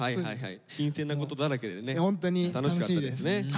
新鮮なことだらけでね楽しかったですね。